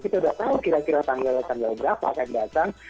kita sudah tahu kira kira tanggal berapa akan datang